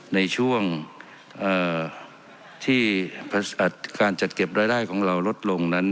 ในช่วงที่การจัดเก็บรายได้ของเราลดลงนั้น